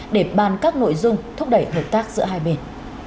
để bàn các nội dung thúc đẩy hợp tác giữa hai bên